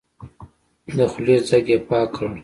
د خولې ځګ يې پاک کړ.